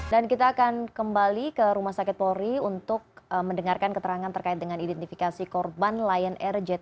dan kita akan kembali ke rumah sakit polri untuk mendengarkan keterangan terkait dengan identifikasi korban lion air jt enam ratus sepuluh